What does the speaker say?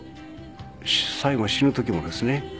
最期死ぬ時もですね